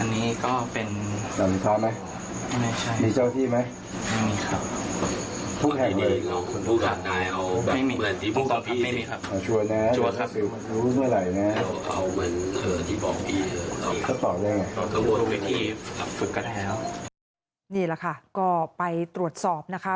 นี่แหละค่ะก็ไปตรวจสอบนะคะ